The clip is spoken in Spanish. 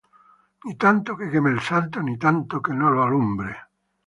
Ni tanto que queme al santo, ni tanto que no lo alumbre.